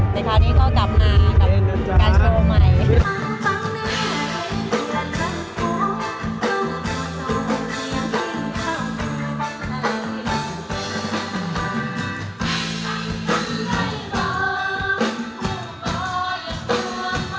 ในคราวนี้ก็จะมีการโชว์ใหม่